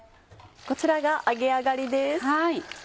こちらが揚げ上がりです。